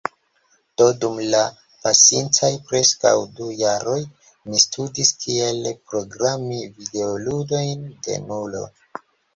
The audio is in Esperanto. Do dum la pasintaj preskaŭ du jaroj mi studis kiel programi videoludojn denulo.